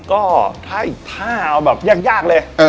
ก็ท่าอย่างยากเลย